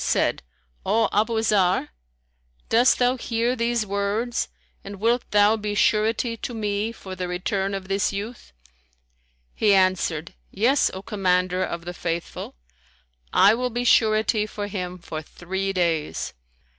said, O Abu Zarr, dost thou hear these words and wilt thou be surety to me for the return of this youth?" He answered, "Yes, O Commander of the Faithful, I will be surety for him for three days."